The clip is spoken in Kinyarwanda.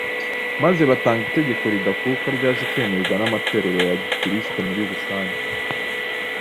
maze batanga itegeko ridakuka ryaje kwemerwa n’amatorero ya Gikristo muri rusange